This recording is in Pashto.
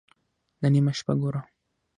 _دا نيمه شپه ګوره!